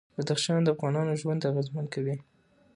بدخشان د افغانانو ژوند اغېزمن کوي.